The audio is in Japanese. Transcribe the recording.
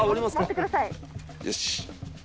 よし。